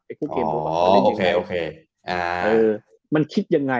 ไอ้ผู้เล่นเกมรุกว่าเขาเล่นยังไง